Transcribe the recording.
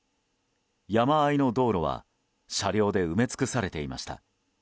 山間の道路は車両で埋め尽くされていました。